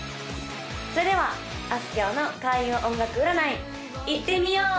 それではあすきょうの開運音楽占いいってみよう！